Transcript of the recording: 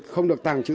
không được tàng truyền